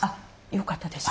よかったです。